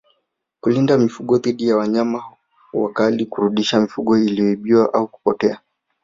Kulinda mifugo dhidi ya wanyama wakali kurudisha mifugo iliyoibiwa au kupotea